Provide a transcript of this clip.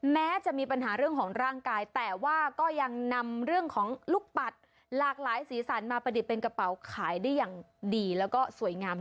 แม้จะมีปัญหาเรื่องของร่างกายแต่ว่าก็ยังนำเรื่องของลูกปัดหลากหลายสีสันมาประดิษฐ์เป็นกระเป๋าขายได้อย่างดีแล้วก็สวยงาม